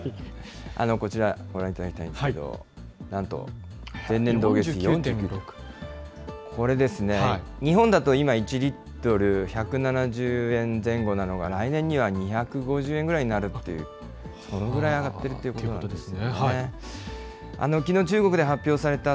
こちらご覧いただきたいんですけど、なんと前年同月比４９．６％、これですね、日本だと今、１リットル１７０円前後なのが、来年には２５０円ぐらいになるっていう、そのぐらい上がってるということですね。